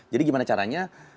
jadi bagaimana caranya